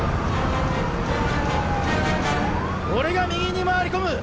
俺が右に回り込む！